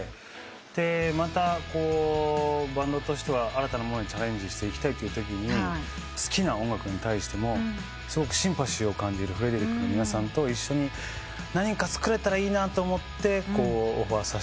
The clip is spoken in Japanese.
またバンドとしては新たなものにチャレンジしていきたいというときに好きな音楽に対してもすごくシンパシーを感じるフレデリックの皆さんと一緒に何か作れたらいいなと思ってオファーさせてもらいました。